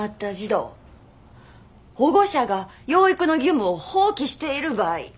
保護者が養育の義務を放棄している場合。